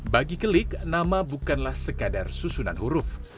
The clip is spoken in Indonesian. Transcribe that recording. bagi kelik nama bukanlah sekadar susunan huruf